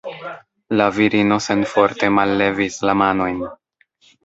La virino senforte mallevis la manojn.